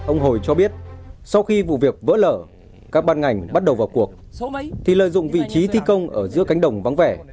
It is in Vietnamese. ông hồi cho biết sau khi vụ việc vỡ lở các ban ngành bắt đầu vào cuộc thì lợi dụng vị trí thi công ở giữa cánh đồng vắng vẻ